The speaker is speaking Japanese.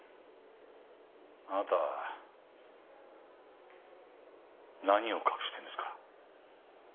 あなた何を隠してんですか？